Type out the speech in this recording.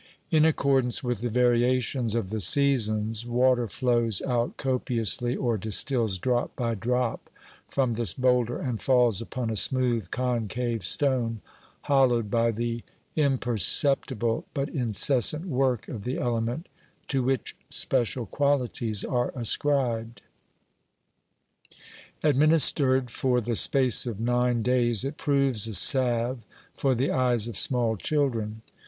In accordance with the variations of the seasons, water flows out copiously or distils drop by drop from this boulder and falls upon a smooth concave stone, hollowed by the imper ceptible but incessant work of the element, to which special qualities are ascribed. Administered for the space of nine days, it proves a salve for the eyes of small children.